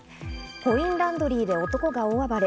コインランドリーで男が大暴れ。